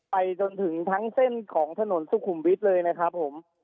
ไปจนถึงทั้งเส้นของถนนสุขุมวิทย์เลยนะครับผม